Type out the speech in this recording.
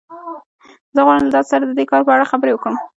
زه غواړم له تاسو سره د دې کار په اړه خبرې وکړم